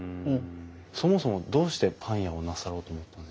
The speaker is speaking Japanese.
そもそもどうしてパン屋をなさろうと思ったんですか？